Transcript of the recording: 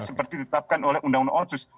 seperti ditetapkan oleh undang undang otsus